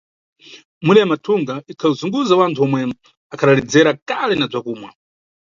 Miwira ya mathunga ikhazunguza wanthu omwe akhadaledzera kale na bzakumwa.